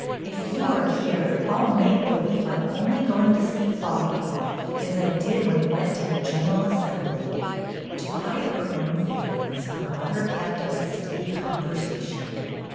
If you are here, I 'll make believe I 'm only going to see father off, as I did when he went to the General Assembly." To hide her own feelings her mother kept up a steady conversation.